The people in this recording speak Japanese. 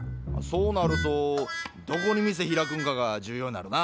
そうなるとどこに店開くんかが重要になるな。